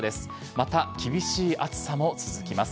また厳しい暑さも続きます。